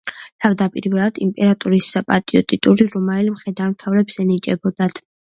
თავდაპირველად იმპერატორის საპატიო ტიტული რომაელ მხედართმთავრებს ენიჭებოდათ.